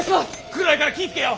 暗いから気ぃ付けよ！